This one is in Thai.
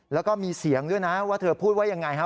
แล้วก็มีเสียงด้วยนะว่าเธอพูดว่ายังไงฮะ